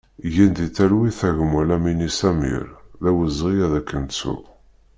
Gen di talwit a gma Lamini Samir, d awezɣi ad k-nettu!